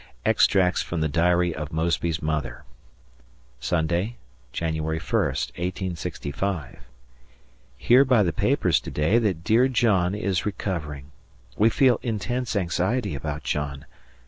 [Extracts from the diary of Mosby's mother] Sunday, Jan. 1, 1865. Hear by the papers to day that dear John is recovering. We feel intense anxiety about John.